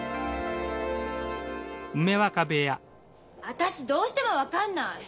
・私どうしても分かんない！